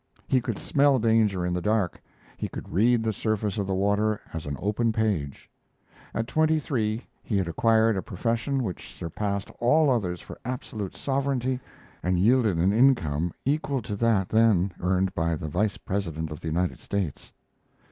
He could smell danger in the dark; he could read the surface of the water as an open page. At twenty three he had acquired a profession which surpassed all others for absolute sovereignty and yielded an income equal to that then earned by the Vice President of the United States.